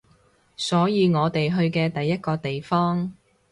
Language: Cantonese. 所以我哋去嘅第一個地方